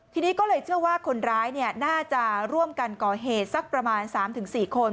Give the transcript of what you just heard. ทีนี้ก็เลยเชื่อว่าคนร้ายน่าจะร่วมกันก่อเหตุสักประมาณ๓๔คน